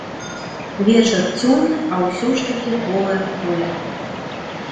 Вечар цёмны, а ўсё ж такі голае поле.